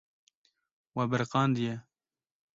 We biriqandiye.